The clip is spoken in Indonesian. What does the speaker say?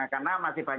karena masih banyak